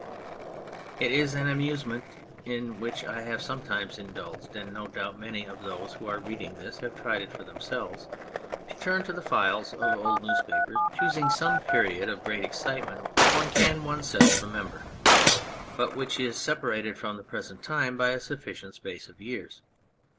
It is an amusement in which I have sometimes indulged, and no doubt many of those who are reading this have tried it for themselves, to turn to the files of old newspapers, choosing some period of great excitement which one can oneself remember, but which is separated from the present time by a sufficient space of years.